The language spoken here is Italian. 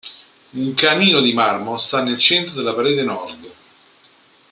Un camino in marmo sta nel centro della parete nord.